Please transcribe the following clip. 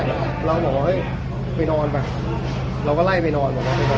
เราบอกว่าเฮ้ยไปนอนไปเราก็ไล่ไปนอน